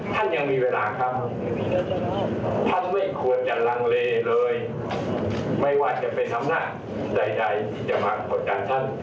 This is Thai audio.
ท่านยังมีเวลาครับท่านไม่ควรจะลังเลเลยไม่ว่าจะเป็นอำนาจใดที่จะมากดดันท่าน